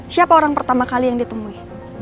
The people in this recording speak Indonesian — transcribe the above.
siapa orang pertama kali yang ditemui